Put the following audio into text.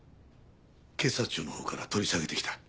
警察庁のほうから取り下げてきた。